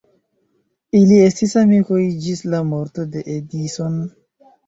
Ili estis amikoj ĝis la morto de Edison.